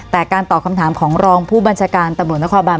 แต่การตอบคำถามของรองผู้บัญชาการตำรวจนครบาน